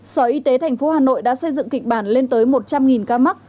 sở y tế thành phố hà nội đã xây dựng kịch bản lên tới một trăm linh ca mắc